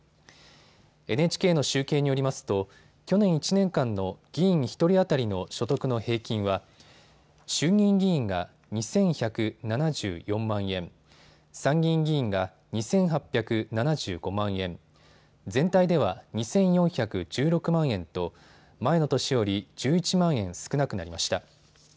ＮＨＫの集計によりますと去年１年間の議員１人当たりの所得の平均は衆議院議員が２１７４万円、参議院議員が２８７５万円、全体では２４１６万円と前の年より１１万円少なくなりました。